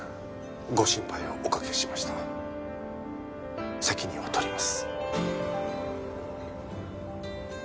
ご心配をおかけしました責任をとります